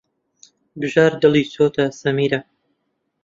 بژار دڵی چووەتە سەمیرە.